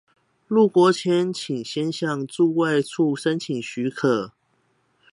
入國前請先向駐外館處申請許可